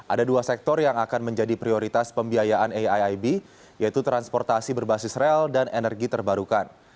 ada dua sektor yang akan menjadi prioritas pembiayaan aiib yaitu transportasi berbasis rel dan energi terbarukan